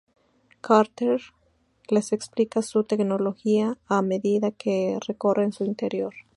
Carter les explica su tecnología, a medida que recorren su interior.